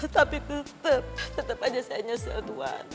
tapi tetap tetap aja saya nyesel tuhan